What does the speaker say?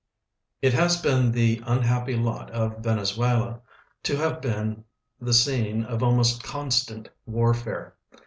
It has been the unhapjiy lot of Venezuela to have been the scene of almost constant warfare.